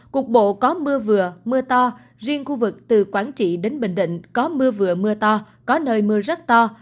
cục bộ có mưa vừa mưa to riêng khu vực từ quảng trị đến bình định có mưa vừa mưa to có nơi mưa rất to